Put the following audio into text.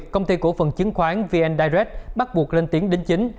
công ty cổ phần chứng khoán vn direct bắt buộc lên tiếng đính chính